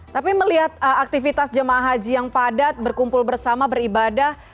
tapi melihat aktivitas jemaah haji yang padat berkumpul bersama beribadah